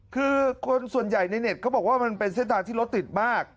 คือคนส่วนใหญ่ในเน็ตเขาบอกว่ามันเป็นเส้นทางที่รถติดมาก